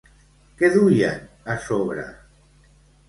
Què duien a sobre?